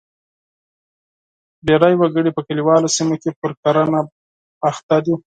ډېری وګړي په کلیوالي سیمو کې پر کرنه بوخت دي.